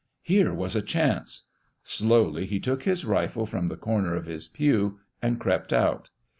Here was a chance ! Slowly he took his rifle from the "corner of his pew and crept out.